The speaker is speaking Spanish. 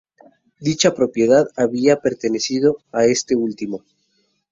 Dicha propiedad había pertenecido a este último.